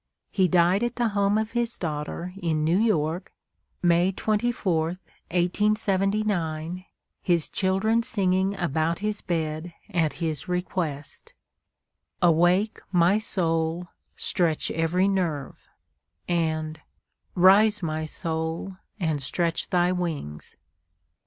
He died at the home of his daughter in New York, May 24, 1879, his children singing about his bed, at his request: "Awake, my soul, stretch every nerve," and, "Rise, my soul, and stretch thy wings."